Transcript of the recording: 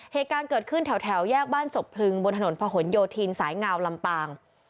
เหตุการณ์เกิดขึ้นแถวแยกบ้านศพพลึงบนถนนพะหนโยธินสายงาวลำปาง